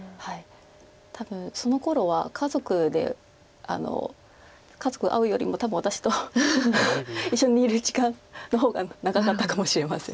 多分そのころは家族で家族に会うよりも多分私と一緒にいる時間の方が長かったかもしれません。